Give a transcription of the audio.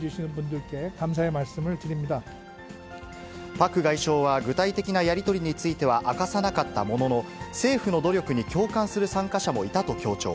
パク外相は、具体的なやり取りについては明かさなかったものの、政府の努力に共感する参加者もいたと強調。